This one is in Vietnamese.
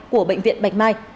của bệnh viện bạch mai